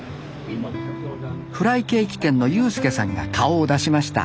フライケーキ店の悠介さんが顔を出しました